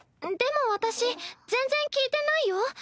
でも私全然聞いてないよ。